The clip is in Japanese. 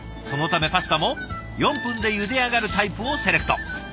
そのためパスタも４分でゆで上がるタイプをセレクト。